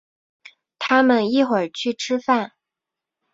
他们一会儿去吃饭。